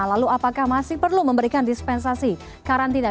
lalu apakah masih perlu memberikan dispensasi karantina